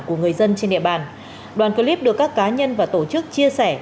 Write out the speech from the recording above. của người dân trên địa bàn đoàn clip được các cá nhân và tổ chức chia sẻ